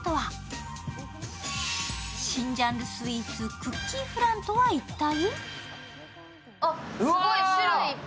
新ジャンルスイーツクッキーフランとは一体？